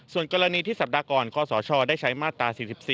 ส่วนกรณีที่สัปดาห์ก่อนคศได้ใช้มาตรา๔๔